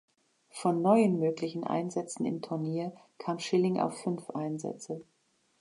Von neuen möglichen Einsätzen im Turnier kam Schilling auf fünf Einsätze.